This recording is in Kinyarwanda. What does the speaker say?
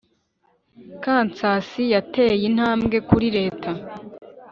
kansas yateye intambwe kuri leta